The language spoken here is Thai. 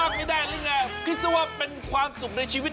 ใครพูดมั้ย